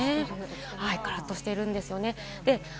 カラッとしているんですよね。